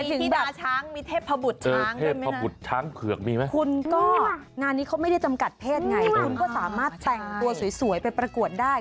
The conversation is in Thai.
หมายถึงแบบคุณก็งานนี้เขาไม่ได้จำกัดเพศไงคุณก็สามารถแต่งตัวสวยไปประกวดได้